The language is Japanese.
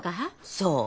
そう。